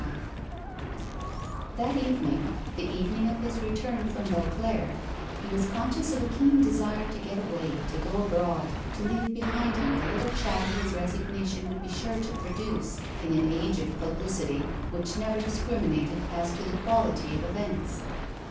XXXV That evening the evening of his return from Beauclere he was conscious of a keen desire to get away, to go abroad, to leave behind him the little chatter his resignation would be sure to produce in an age of publicity which never discriminated as to the quality of events.